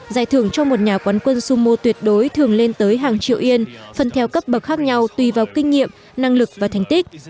giải thưởng cho một nhà quán quân sumo tuyệt đối thường lên tới hàng triệu yên phân theo cấp bậc khác nhau tùy vào kinh nghiệm năng lực và thành tích